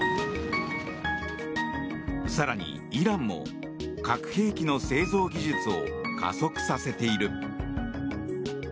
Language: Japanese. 更に、イランも核兵器の製造技術を加速させている。